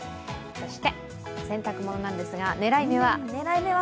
洗濯物なんですが、狙い目は？